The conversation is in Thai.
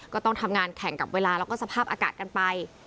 ก็ต้องทำงานแข่งกับเวลาแล้วก็สภาพอากาศกันไป